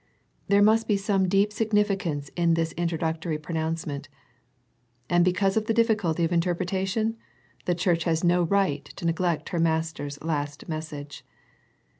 There must be some deep significance in this introductory pronouncement, and because of the difficulty of interpretation, the Church has no right to neglect her Master's last mes sage.